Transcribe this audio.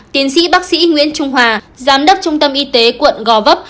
tiến sĩ bác sĩ nguyễn trung hòa giám đốc trung tâm y tế quận gò vấp